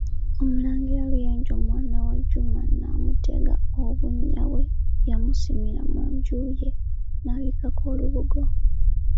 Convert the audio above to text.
Omulangira Luyenje omwana wa Juma n'amu-tega obunnya bwe yamusimira mu nju ye, n'abubikkako olubugo.